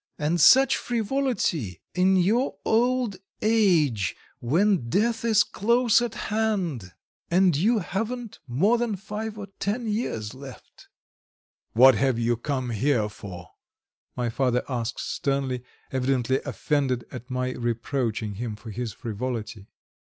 And such frivolity in your old age, when death is close at hand, and you haven't more than five or ten years left!" "What have you come here for?" my father asked sternly, evidently offended at my reproaching him for his frivolity.